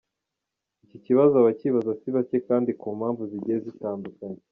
Iki kibazo abakibaza si bake kandi ku mpamvu zigiye zitandukanye.